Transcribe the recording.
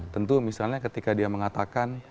tentu misalnya ketika dia mengatakan